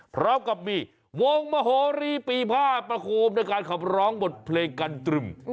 พร้อมกับมีวงมโหรีปีผ้าประโคมด้วยการขับร้องบทเพลงกันตรึม